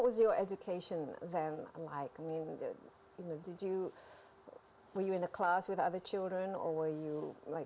dan secara singkat saya menjadi anak yang sangat terkenal